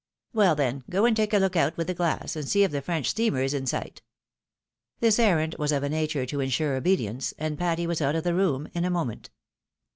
" Well, then, go and take a look out with the glass, and see if the French steamer is in sight. This errand was of a nature to insure obedience, and Patty was out of the room in a moment.